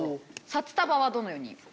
札束はどのように？